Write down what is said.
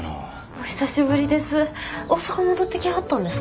お久しぶりです。